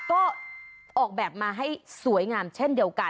ก็ออกแบบมาให้สวยงามเช่นเดียวกัน